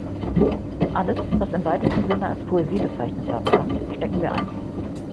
Alles, was im weitesten Sinne als Poesie bezeichnet werden kann, stecken wir ein.